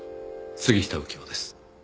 杉下右京です。